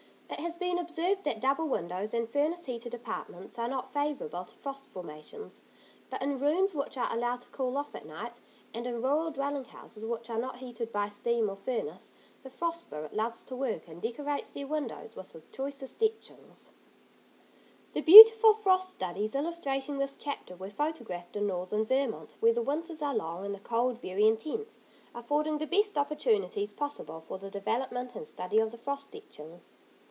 It has been observed that double windows and furnace heated apartments are not favourable to frost formations; but in rooms which are allowed to cool off at night, and in rural dwelling houses which are not heated by steam or furnace the Frost Spirit loves to work, and decorates their windows with his choicest etchings. [Illustration: 53. An unusual design] [Illustration: 54. A powdering of small flowers] The beautiful frost studies illustrating this chapter were photographed in northern Vermont, where the winters are long and the cold very intense; affording the very best opportunities possible for the development and study of the frost etchings.